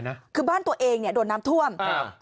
แล้วก็ให้น้ำจากบ้านเขาลงคลอมผ่านที่สุดท้าย